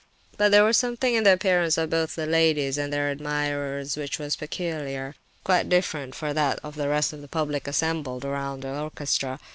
But there was something in the appearance of both the ladies and their admirers which was peculiar, quite different for that of the rest of the public assembled around the orchestra.